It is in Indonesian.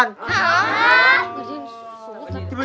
jadi ini sultan